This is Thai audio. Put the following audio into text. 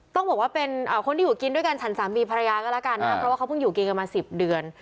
ต้องบอกว่าเป็นคนที่อยู่กินด้วยกันฉันสามีภรรยาก็แล้วกันนะครับเพราะว่าเขาเพิ่งอยู่กินกันมา๑๐เดือน